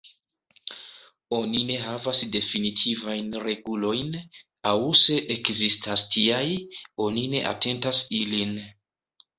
Oni ne havas definitivajn regulojn, aŭ se ekzistas tiaj, oni ne atentas ilin.